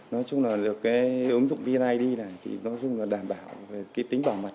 nói chung là được cái ứng dụng vneid này thì nó dùng là đảm bảo về cái tính bảo mật